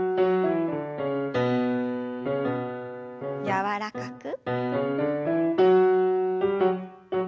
柔らかく。